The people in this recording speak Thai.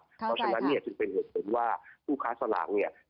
เพราะฉะนั้นเป็นเหตุผลว่าผู้ค้าสลาก